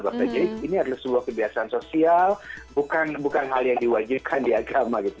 jadi ini adalah sebuah kebiasaan sosial bukan hal yang diwajibkan di agama gitu